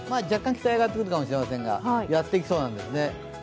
若干北に上がってくるかもしれませんがやってきそうなんですね。